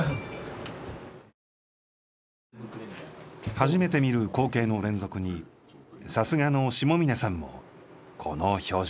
初めて見る光景の連続にさすがの下峰さんもこの表情。